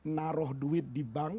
naruh duit di bank